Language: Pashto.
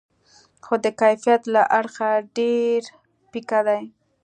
خو د کیفیت له اړخه ډېر پیکه دي.